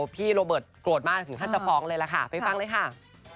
พี่โรเบิร์ตโกรธมากถึงขั้นจะฟ้องเลยล่ะค่ะไปฟังเลยค่ะ